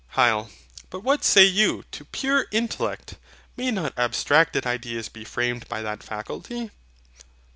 HYL. But what say you to PURE INTELLECT? May not abstracted ideas be framed by that faculty?